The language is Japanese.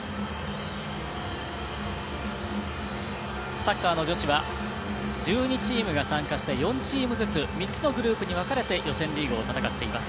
サッカーの女子は１２チームが参加して４チームずつ３つのグループに分かれて予選リーグを戦っています。